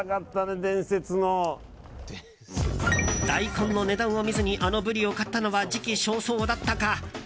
大根の値段を見ずにあのブリを買ったのは時期尚早だったか。